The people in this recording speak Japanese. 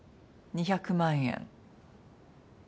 ２００万円。